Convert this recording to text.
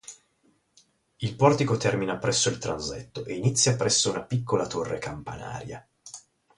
Il portico termina presso il transetto, e inizia presso una piccola torre campanaria.